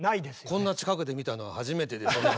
こんな近くで見たのは初めてですね。